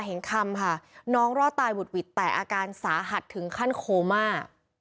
เห็นคำค่ะน้องรอดตายหุดหวิดแต่อาการสาหัสถึงขั้นโคม่า